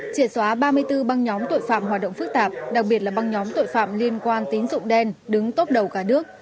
triệt xóa ba mươi bốn băng nhóm tội phạm hoạt động phức tạp đặc biệt là băng nhóm tội phạm liên quan tín dụng đen đứng tốp đầu cả nước